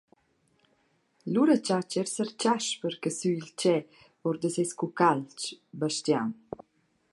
Lura chatscha eir sar Chasper casü il cheu our da seis cucalch, Bastian.